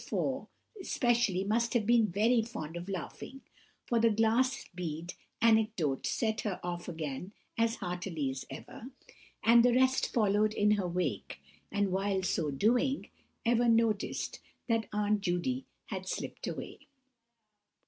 4 especially must have been very fond of laughing, for the glass bead anecdote set her off again as heartily as ever, and the rest followed in her wake, and while so doing, never noticed that Aunt Judy had slipped away.